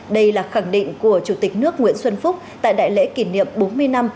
đây là khẳng định của chủ tịch nước nguyễn xuân phúc tại đại lễ kỷ niệm bốn mươi năm